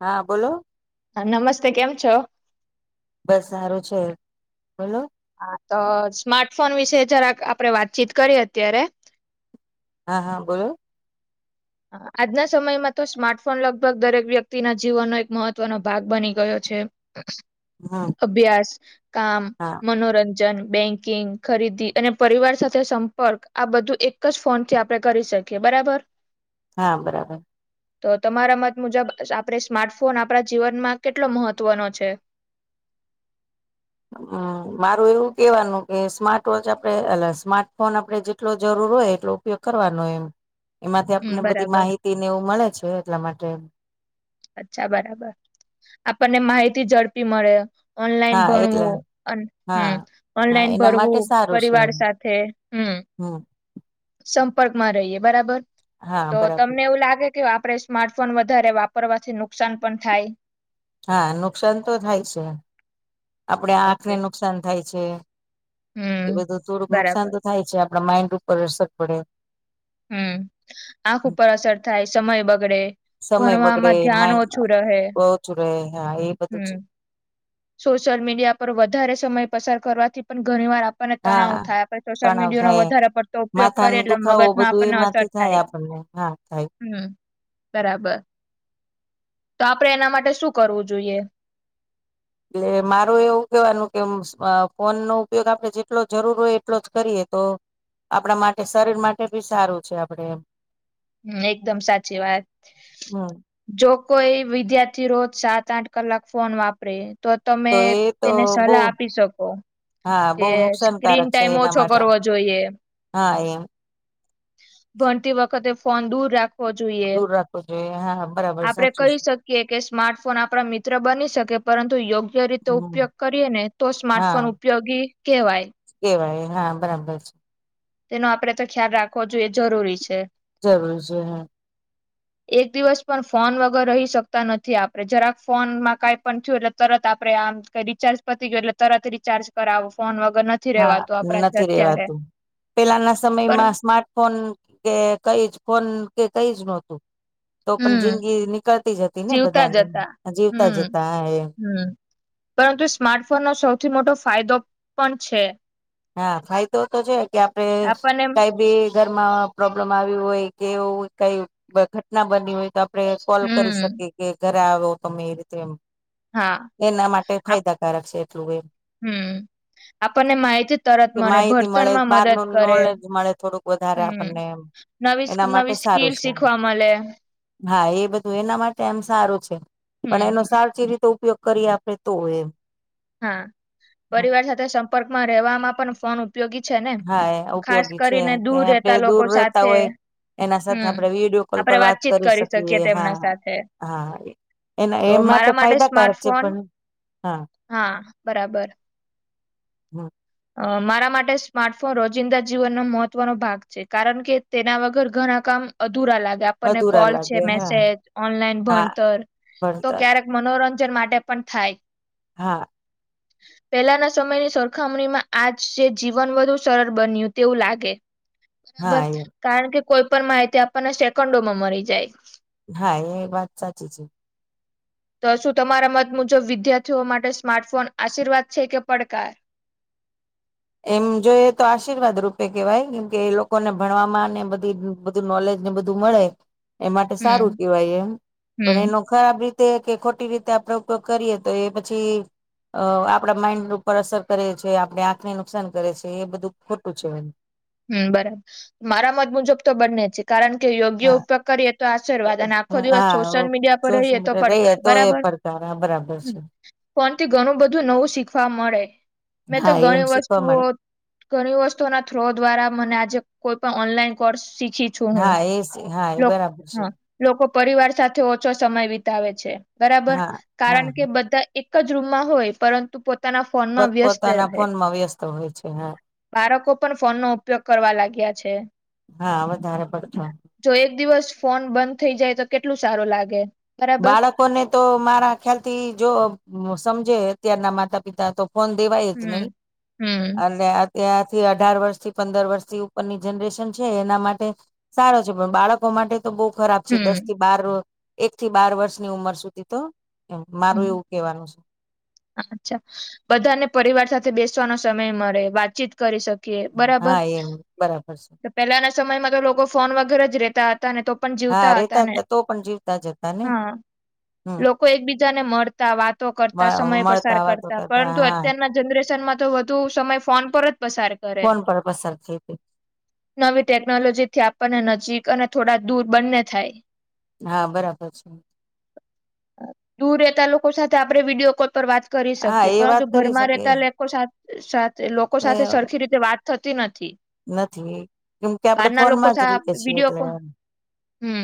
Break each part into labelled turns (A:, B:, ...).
A: હા બોલો!
B: હા, નમસ્તે કેમ છો?
A: બસ સારું છે. બોલો?
B: હા તો, સ્માર્ટફોન વિશે જરાક આપડે વાતચીત કરીએ અત્યારે
A: હા હા બોલો?
B: આજના સમયમાં તો, સ્માર્ટફોન લગભગ દરેક વ્યક્તિના જીવનનો, એક મહત્વનો ભાગ બની ગયો છે.
A: હમ
B: અભ્યાસ, કામ,
A: હા
B: મનોરંજન, બેંકિંગ, ખરીદી અને પરિવાર સાથે સંપર્ક, આ બધું એક જ ફોન થી આપણે કરી શકીએ. બરાબર!
A: હા બરાબર!
B: તો તમારા મત મુજબ, આપણે સ્માર્ટફોન આપણા જીવનમાં કેટલો મહત્વનો છે.? [unintelligible]
A: હમ મારું એવું કેવાનું કે, સ્માર્ટ વોચ આપડે એલા સ્માર્ટફોન આપડે જેટલો જરૂર હોય એટલો ઉપયોગ કરવાનો એમ, એમાંથી
B: હમ
A: આપને બધી
B: બરાબર
A: માહિતી ને એવું મળે છે. એટલા માટે
B: અચ્છા! બરાબર આપણને માહિતી ઝડપી મળે ઓનલાઈન
A: હા એટલે
B: ભણવું
A: હા
B: હં
A: હા
B: ઓનલાઈન
A: એના માટે
B: ભરવું
A: સારું છે
B: પરિવાર સાથે હમ
A: હમ!
B: સંપર્ક માં રહીએ બરાબર,
A: હા
B: તો
A: બરાબર
B: તમને એવું લાગે કે, આપણે સ્માર્ટફોન વધારે વાપરવાથી નુકસાન પણ થાય?
A: હા નુકસાન તો થાય છે આપડે આંખને
B: ઓકે
A: નુકસાન થાય છે એ
B: હમ
A: બધું થોડુંક નુકસાન
B: બરાબર
A: તો થાય છે આપડા માઈન્ડ ઉપર અસર પડે
B: હમ આંખ ઉપર અસર થાય સમય બગડે
A: સમય બગડે
B: ભણવામાં ધ્યાન ઓછું રહે
A: માઇન્ડચું રહે હા એ બધું
B: હમ સોશિયલ મીડિયા પર વધારે સમય પસાર કરવાથી પણ ઘણી વાર આપણને તણાવ
A: હા
B: થાય આપે સોશિયલ
A: તણાવ
B: મીડિયાનોો
A: થાય
B: વધારે પડતો ઉપયોગ
A: માથા ન
B: કરીએ એટલે
A: દુખાવો
B: મગજમાં
A: બધું
B: આપણને અસર
A: એમાંથી
B: થાય
A: આપણને હા થાય
B: હમ બરાબર તો આપડે એના માટે શું કરવું જોઈએ
A: એટલે મારું એવું કેવાનું કે ફોન નો ઉપયોગ આપડે જેટલો જરૂર હોય એટલો જ કરીએ તો આપણા માટે શરીર માટે ભી સારું છે આપડેમ
B: હ એકદમ સાચી વાત
A: હમ
B: જો કોઈ વિદ્યાર્થી રોજ સાત આઠ કલાક ફોન વાપરે તો તમે
A: એ તો
B: તેને
A: બહુ
B: સલાહ આપી શકો
A: હા બહુ
B: કે સ્ક્રીન
A: નુકસાનકારક છે
B: ટાઈમ
A: એના
B: ઓછો
A: માટે
B: કરવો જોઈએ
A: હા એમ
B: ભણતી વખતે ફોન દૂર રાખ
A: દૂર રાખવો જોઈએ હા બરાબર
B: આપડે
A: સાચું
B: કહી
A: છે
B: શકીએ કે સ્માર્ટફોન આપણા મિત્ર બની શકે પરંતુ યોગ્ય રીતે
A: હમ
B: ઉપયોગ કરીએ ને ને તો
A: હા
B: સ્માર્ટફોન ઉપયોગી કહેવાય
A: કેવાય હા બરાબર છે
B: તેનો આપડે તો ખ્યાલ રાખવો જોઈએ જરૂરી છે
A: જરૂર છે હમ
B: [unintelligible] એક દિવસ પણ ફોન વગર રહી શકતા નથી આપડે જરાક ફોન માં કઈ પણ થયું એટલે તરત આપડે આ રિચાર્ પતી ગયો એટલે તરત રિચ્જ કરાવો ફોન વગ ગર નથી
A: હા
B: રેવાતું આપણા
A: નથી
B: થીઅત્યારે
A: રેવાતું પેલાના સમયમાં સ્માર્ટફોન કે કઈ જ ફોન કે કઈ જ નોતું તો પણ
B: હમ
A: જિંદગી નીકળતી જતી ને
B: જીવતા જતા
A: બધાની જીવતા
B: હમ
A: જતા એમ
B: હમ પરંતુ સ્માર્ટફોનનો સૌથી મોટો ફાયદો પણ છે
A: હા ફાયદો તો છે કે આપડે
B: આપણને
A: કઈ બી બજારમાં પ્રોબ્લેમ આવ્યું હોય કે એવું કઈ ઘટના બની હોય તો આપણે કોલ કરી
B: હમ
A: શકીએ કે ઘરે આવો તમે એ રીતે એમ
B: હા
A: એના માટે
B: આપ
A: ફાયદાકારક છે એટલું એમ
B: હમ આપણને માહિતી તરત
A: કે
B: મળે
A: માહિતી મળે
B: ભણતરમાં
A: બાર
B: મદદ
A: નું
B: કરે
A: નોલેજ મળે થોડુંક વધારે
B: હમ
A: આપણને એમ
B: નવી
A: એના માટે
B: નવી
A: સારું
B: સ્કીલ
A: છે
B: શીખવા મલે
A: હા એ બધું એના માટે એમ સારું છે
B: હમ
A: પણ એનું સારું છે ઉપયોગ કરી આપે તો એમ
B: હા પરિવાર સાથે સંપર્કમાં રહેવાવામાં પણ ફોન ઉપયોગી છે ને
A: હા એ
B: ખાસ
A: ઉપયોગી છે
B: કરીને
A: ત
B: દૂર રહેતા
A: આપણે
B: લોકો
A: દૂર રહેતા
B: સાથે
A: હોય એના સાથે
B: હમ
A: આપણે વિડીયો કોલ
B: આપણે
A: પર વાત
B: વાતચીત
A: કરી શકીએ
B: તેમના
A: હા,
B: સાથે
A: હા એના
B: તો
A: એમ માટે
B: મારા
A: ફાયદાકારક છે
B: સ્માર્ટફોન
A: પણ હા
B: હા બરાબર
A: હમ
B: મારા માટે સ્માર્ટફોન રોજિંદા જીવનનો મહત્વનો ભાગ છે કારણ કે તેના વગર ઘણા કામ અ લાગે આપને
A: અધુરા
B: કોલ છે
A: લાગે હા
B: મેસેજ, ઓનલાન
A: હા
B: ભણતર તો
A: ભણતર
B: ક્યારેક મનોરં જન માટે પણ થાય
A: હા
B: [inaudible] પહેલાના સમયની સરખામણીમાં આજ જે જીવન વધુ સરળ બન્યું તેવું લાગે
A: હા
B: બરાબર
A: એ
B: કારણ કે કોઈ પણ માહિતી આપણને સેકન્ડોમાં મળી જાય
A: હા એ વાત સાચી છે
B: તો શું તમારા મત મુજબ વિદ્યાર્થીઓ માટે સ્માર્ટફોન આશીર્વાદ છે કે પડકાર? [inaudible]
A: એમ જોઈએ તો આશીર્વાદ રૂપે કેવાય કેમ કે એ લોકોને ભણવામાં બધી બધું નોલેજ બધું મળે એ માટે
B: હમ
A: સારું કહેવાય એમ પણ
B: હમ
A: એનો ખરાબ રી કે ખોટી રીતે આપડે ઉપયોગ કરીએ તો એ પછી અ આપડા માઈન્ડ ઉપર અસર કરએ છીએ આપણે આ ને નુકસાન કરે છે એ બધું ખોટું છે એ
B: હમ બરાબર મારા મત મુજબ તો બંને છે કારણ કે યોગ્ય
A: હા
B: ઉપયોગ કરીએ તો આ આશીર્વાદ અને આખો દિવસ સોશિયલ
A: હા
B: મીડિયા પર
A: જોશ
B: રહીએ તો પડકાર
A: તો એ
B: બરાબર?
A: પડકાર હા બરાબર છે
B: ઘણું બધું નવું શીખવા મળે મેં તો
A: હા એમ
B: ઘણી
A: શીખવા
B: વસ્તુઓ
A: મળે
B: ઘણી વસ્તુ ના થ્રો દ્વારા મને આજે કોઈ પણ ઓનલાઈન કોર્સ શીખી છું હું
A: હા એ હા એ
B: લોક
A: બરાબર છે
B: હા લોકો પરિવાર સાથે ઓછો સમય વિતાવે છે બરાબર
A: હા
B: કારણ
A: હા
B: કે બધા એ એક જ રૂમમાં હોય પરંતુ પોતાના ફોનમાં
A: પોત
B: વ્યસ્ત
A: પોતાના
B: રહે
A: ફોનમાં વ્યસ્ત હોય છે હા
B: બાળકો પણ ફોનનોો ઉપયોગ કરવા લાગ્યા છે
A: હા વધારે પડતો
B: જો એક દિવસ ફોન બંધ થઇ જાય તો કેટલું સારું લાગે બરાબર
A: બાળકોને તો મારા ખ્યાલ થી જો સમજે અત્યારના માતા પિતા તો ફન દેવા એત નહી
B: હમ હમ
A: અને ત્યાંથી અઢાર વર્ષથી પંદર વર્ષથી ઉપરની જનરેશન છે એના માટે સારો છે પણ બાળકો માટે તો બહુ ખરાબ છે
B: હમ
A: દસ થી બાર એક થી બાર વર્ષની ઉંમર સુધી તો એમ
B: હમ.
A: મારું એવું કેવાનું છે
B: અચ્છા બધાને પરિવાર સાથે બેસવાનો સમય મળે વાતચીત કરી શકે ઓ બરાબર
A: હા એમ બરાબર છે
B: પેલાના સમયમાં તો લોકો ફોન વગેરે જ રેતા હતા ને તો પણ
A: હા
B: જીવતા હતા
A: રેતા
B: ને
A: તો પણ જીવતા જ હતા ને
B: હા
A: હમ
B: લોકો એકબીજા બજાને મળતા વાતો કરતા સમય પસાર
A: મળતા વાતો
B: કરતા પરંતુ
A: હા
B: અત્યારના જનરેશનમાં તો વધુ સમય ફોન પર જ પસાર કરે
A: ફોન પર પસાર થઈ હતી
B: નવી ટેકનોલોજીથી આપણને નજીક અને થોડા દૂર બંને થાય
A: હા બરાબર છે
B: દૂર રહેતા લોકો સાથે આપડે વિડીયો કોપ પર વાત કરી
A: હા
B: શકીએ
A: એ વાત
B: પરંતુ
A: કરી
B: ઘરમાં
A: શકે
B: રહેતા લોકો સાથે લોકો સાથે સરખી રીતે વાત થતી નથી
A: નથી કેમ કે આપણે
B: બહારના લોકો
A: ફોનમાં જ રહીએ
B: સાથે
A: છીએ
B: વિડીયો
A: એટલે
B: કોલ હમ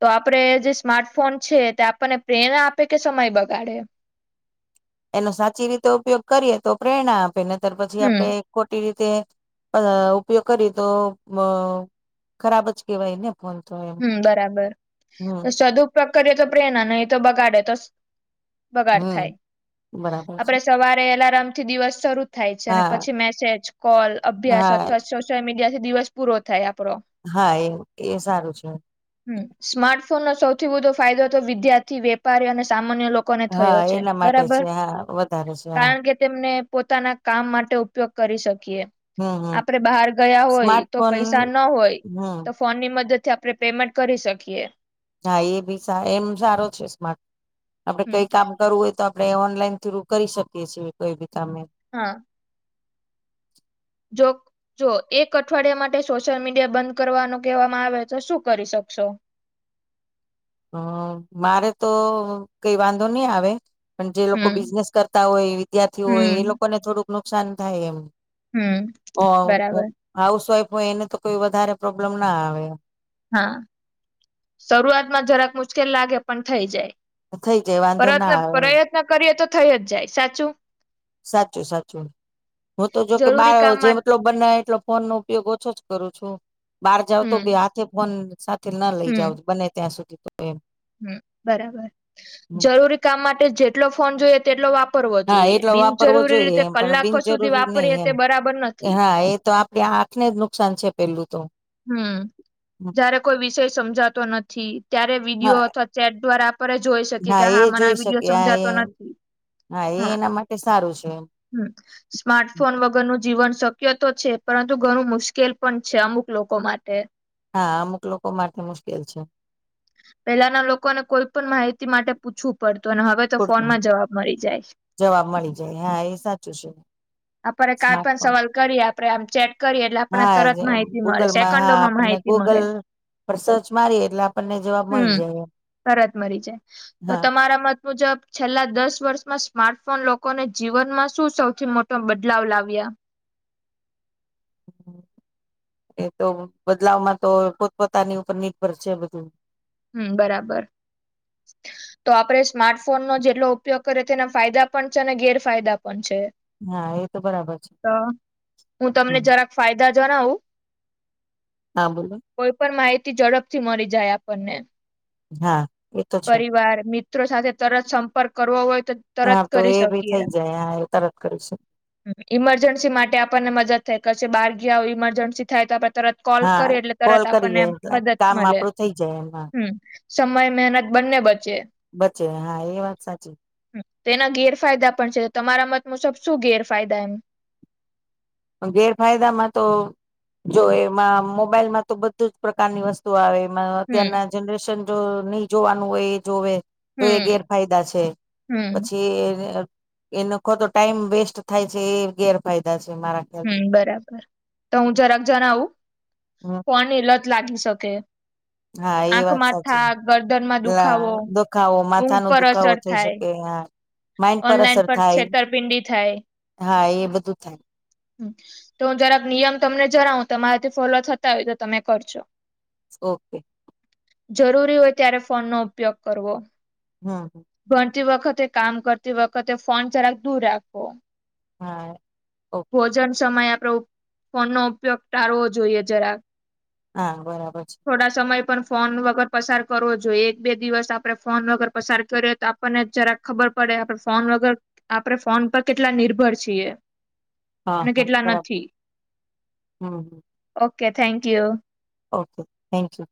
B: તો આપડે જે સ્માર્ટફોન છે તે આપણને પ્રેરણા આપે કે સમય બગાડે
A: એનો સાચી રીતે ઉપયોગ કરીએ તો પ્રેરણા આપે ને ત પછી
B: હમ
A: આપડણે ખોટી રીતે તે ઉપયોગ કરી તો અ ખરાબ જ કેહેવાય ને ફોન તો એમ
B: હમ બરાબર
A: હમ
B: સદુપકએ તો પ્રેરણા નહી એ તો બગાડે તો બગાડ
A: હમ
B: થાય
A: બરાબર છે
B: આપડે સવારે અલારમ થી દિવસ શરૂ થાય છે અને
A: હા
B: પછી મેસેજ કોલ અભ્યાસ
A: હા
B: અથવા સોશિયલ મીડિયા થી દિવસ પૂરો થાય આપડો
A: હા એ એ સારું છે
B: હમ સ્માર્ટફોન નો સૌથી વધો ફાયદો તો વિદ્યાર્થી વેપારીઓ અને સા લોકોને થયો
A: હા
B: છે
A: એના માટે છે
B: બબર
A: હા વધારે છે હા
B: કારણ કે તેમને પોતાના કામ માટે ઉપયોગ કરી શકીએ
A: હમ હમ
B: આપડે બહાર ગયા હોય તો
A: સ્માર્ટફોન
B: પૈસા ના હોય
A: હમ
B: તો ફોન ની મદદ થી આપણે પેમેન્ટ કરી શકીએ
A: હા એ બી એમ સારો છે સ્માર્ટ આપડે
B: હમ
A: કઈ કામ કરવું હોય તો આપ આપણે ઓનલાઈન થ્રુ કરી શકીએ છીએ કોઈ બી કામ એમ
B: હા
A: [unintelligible]
B: જોક જો એક અઠવાડિયા માટે સોશિયલ મીડિયા બંધ કરવાનું કહેવામાં આવે તો શું કરી શકશો [unintelligible]
A: હ મારે તો કઈ વાંધો નહી આવે પણ જે લોકો
B: હમ
A: બિઝનેસ કરતા હોય વિદ્યાર્થી હોય એ
B: હમ
A: લોકોને થોડુંક નુકસાન થાય એમ
B: હમ બરાબર
A: હાઉસવાઈફ હોય એને તો કોઈ વધારે પ્રોબ્લેમ ના આવે
B: હા શરૂઆતમાં જરાક મુશ્કેલ લાગે પણ થઈ જાય
A: થઈ જાય વાંધો ના
B: પ્રત્ન
A: આવે
B: પ્રયત્ન કરીએ તો થઈ જ જાય સાચું
A: સાચું સાચું હું તો જો કે
B: જરૂરી
A: બળ
B: કામ
A: જે
B: માટે
A: એટલો બને એટલો ફોન નો ઉપયોગ ઓછો જ કરું છું બહાર જાાવ તો
B: હમ
A: હાથે ફોન સાથે ના લઈ
B: હમ
A: જાવ બને ત્યાં સુધી તો એમ
B: હમ બરાબર જરૂરી કામ માટે જેટલો ફોન જોઈએ તેટલો વાપર
A: હા એટલો વાપરવો જોઈએ એમ પણ
B: કલાકો સુધી
A: બિનજરૂરી
B: વાપરીએ
A: નહીિ
B: તે બરાબર
A: એમ
B: નથી
A: હા એ તો આપડ હાથ ને જ નુકસાન છે પેલું તો
B: હમ જયારે કોઈ વિષય સમજાતો નથી ત્યારે
A: હા
B: વિડીિયો અથવા ચેટ દ્વારા પરે જોઈ શકીએ કે હા
A: એ
B: મને
A: જોઈ
B: આ વિડીયો
A: શકે આ એ
B: સમજાતો નથી
A: એ
B: હા
A: એના માટે સારું છે
B: હમ સ્માર્ટફોન વગર નું જીવન શક્ય તો છે. પરંતુ ઘણું મુશ્કેલ પણ છે અમુક લોકો માટે.
A: હા અમુક લોકો માટે મુશ્કેલ છે.
B: પેલાના લોકોને કોઈ પણ માહિતી માટે પૂછવું પડત તો હવે તો
A: પૂરતું
B: ફોનમાં જવાબ મળી
A: જવાબ મળી હા એ સાચું છે
B: જાય [unintelligible]
A: સ્માર્ટફોન
B: સવાલ કરીએ આપડે આમ ચેટ કરીએ એટલે આપને
A: હા
B: તરત માહિતી મળે
A: ગૂગલમાં
B: સેકન્ડો
A: હા
B: માં
A: આપણને
B: માહિતી મળે.
A: ગૂગલ પર સર્ચ મારીએ એટલે આપણને જવાબ
B: હમ
A: મળી જાય
B: તરત મરી જાય તો
A: હા
B: તમારા મ મુજબ છેલ્લા દસ વર્ષમાં સ્માર્ટફોન લોકોને જીવનમાં શું સૌથી મોટો બદલાવ લાવ્યો [unintelligible] [inaudible]
A: એતો બદલાવમાં તો પોતપોતાની ઉપર નિર્ભર છે બધું.
B: હમ બરાબર. તો આપડે સ્માર્ટફોનનો જેટલો ઉપયોગ કરીએ તેના ફાયદા પણ છે અને ગેરફાયદા પણ છે.
A: હા એ તો બરાબર છે
B: ત હું તમને
A: હમ,
B: જરાક ફાયદા જણાવું
A: હા બોલો
B: કોઈ પણ માહિતી ઝડપથી મળી જાય આપણને
A: હા. એ તો છે
B: પરિવાર મિત્રો સાથે તરત સંપર્ક કરવો હોય તો તરત
A: હા તો
B: કરી
A: એ ભી
B: શકીએ
A: થઈ જાય [unintelligible] તરત કરીશું.
B: ઈમરજન્સી માટે આપણને મદદ થાય કશે બાર ગ્યા હોય ઈમરજન્સી થાય તો આપ તરત કોલ
A: હા
B: કરીએ એટલે
A: કોલ
B: તરત આપણને
A: કરીએ એટલે
B: મદદ
A: કામ
B: મલે
A: આપડું થઈ જાય એમાં
B: હમ. સમય મહેનત બંને બચે.
A: બચે હા એ વાત સાચી.
B: તેના ગેરફાયદા પણ છે તમારા મત મુજબ શું ગેરફાયદા એમ
A: ગેરફાયદામાં તો જો એમાં મોબાઈલ માં તો બધું જ પ્રકારની વસ્તુ આવે
B: હમ
A: અત્યારના જનરેશન જો નહી જોવાનું હોય એ જોવે તો એ
B: હમ
A: ગેરફાયદા છે.
B: હમ
A: પછી એનો ખો તો ટાઈમ વેસ્ટ થાય છે એ ગેરફાયદા છે. મારે
B: હમ બરાબર તો હું જરાક જણાવું
A: હમ
B: ફોન એલા લાગી શકે.
A: હા એ વાત
B: આંખમાં
A: સાચી દુખાવો માથા નો દુખાવો થઈ શકે હા માઇન્ડ
B: ઓનલાઈન
A: અસર
B: પર
A: થાય
B: છેતરપિંડી થાય.
A: હા એ બધું થાય
B: તો હું જરાક નિયમ તમને જણાવું તમારાથી ફોલો થતા હોય તો તમે કરજો.
A: ઓકે.
B: જરૂરી હોય ત્યારે ફોન નો ઉપયોગ કરવો.
A: હા.
B: કરતી વખતે કામ કરતી વખતે ફોન જરાક દૂર રાખો.
A: હા. ઓકે
B: ભોજન સમયે આપડો ફોન નો ઉપયોગ ટાળવો જોઈએ જરાક.
A: આ બરાબર છે.
B: થોડા સમય પણ ફોન વગર પસાર કરવો જોઈએ એક બે દિવસ આપણે ફોન વગર પસાર કરીએ તો આપણને જરાક ખબર પડે આપે ફોન વગર આપડે ફોન પર કેટલા નિર્ભર છીએ.
A: હા
B: અને
A: હા
B: કેટલા
A: બરાબર
B: નથી.
A: હમ હમ.
B: Okay thank you.
A: Okay thank you.